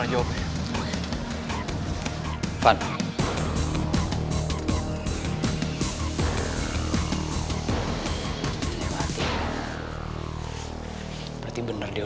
ambil uang ih